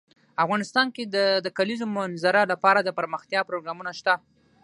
افغانستان کې د د کلیزو منظره لپاره دپرمختیا پروګرامونه شته.